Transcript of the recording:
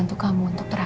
aku harus terb dusty